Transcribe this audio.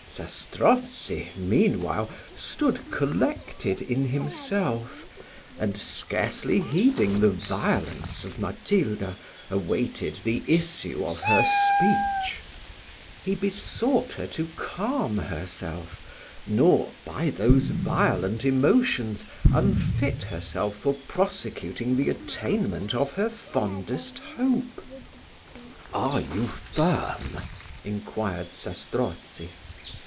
Zastrozzi, meanwhile, stood collected in himself; and scarcely heeding the violence of Matilda, awaited the issue of her speech. He besought her to calm herself, nor, by those violent emotions, unfit herself for prosecuting the attainment of her fondest hope. "Are you firm?" inquired Zastrozzi.